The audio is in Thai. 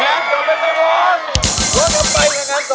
แล้วต่อไปก็งานศพ